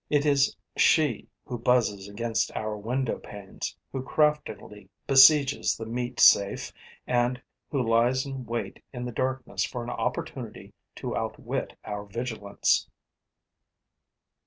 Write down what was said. It is she who buzzes against our windowpanes, who craftily besieges the meat safe and who lies in wait in the darkness for an opportunity to outwit our vigilance.